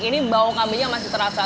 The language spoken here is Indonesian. ini bau kambingnya masih terasa